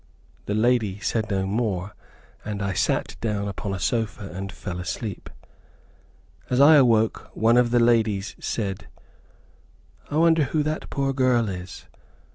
The lady said no more, and I sat down upon a sofa and fell asleep. As I awoke, one of the ladies said, "I wonder who that poor girl is!"